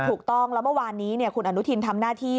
ถูกต้องแล้วเมื่อวานนี้คุณอนุทินทำหน้าที่